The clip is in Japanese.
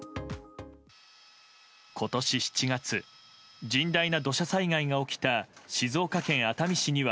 今年７月甚大な土砂災害が起きた静岡県熱海市には